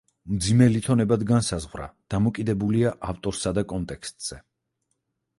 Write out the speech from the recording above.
მძიმე ლითონებად განსაზღვრა დამოკიდებულია ავტორსა და კონტექსტზე.